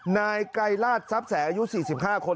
นายไกรราชทรัพย์แสงอายุ๔๕คน